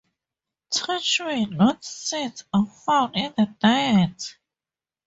Touch-me-not seeds are found in the diet.